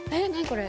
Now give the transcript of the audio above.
これ。